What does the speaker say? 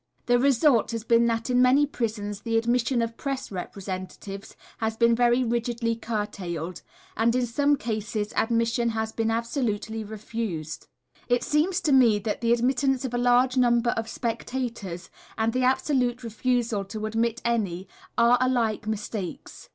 The result has been that in many prisons the admission of press representatives has been very rigidly curtailed, and in some cases admission has been absolutely refused. It seems to me that the admittance of a large number of spectators, and the absolute refusal to admit any, are alike mistakes.